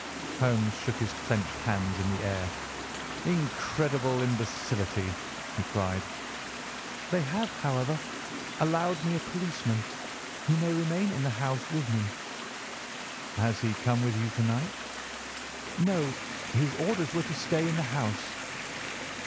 Holmes shook his clenched hands in the air. "Incredible imbecility!" he cried. "They have, however, allowed me a policeman, who may remain in the house with me." "Has he come with you to night?" "No. His orders were to stay in the house."